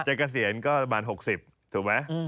เกษียณก็ประมาณ๖๐ถูกไหม